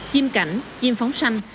chim cảnh chim phóng xanh